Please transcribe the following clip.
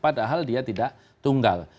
padahal dia tidak tunggal